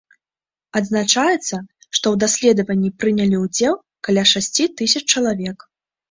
Адзначаецца, што ў даследаванні прынялі ўдзел каля шасці тысяч чалавек.